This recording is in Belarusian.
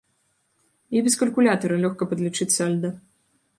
І без калькулятара лёгка падлічыць сальда.